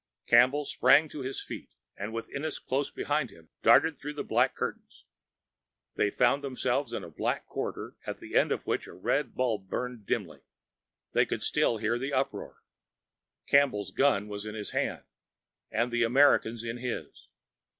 Campbell sprang to his feet, and with Ennis close behind him, darted through the black curtains. They found themselves in a black corridor at the end of which a red bulb burned dimly. They could still hear the uproar. Campbell's gun was in his hand, and the American's in his.